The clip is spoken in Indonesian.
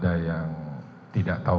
ada yang tidak tahu